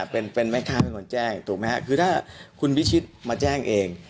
เป็นเป็นแม่ค้าเป็นแม่ค้าเป็นคนแจ้งถูกไหมฮะคือถ้าคุณพิชิตมาแจ้งเอง